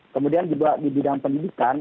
kemudian juga di bidang pendidikan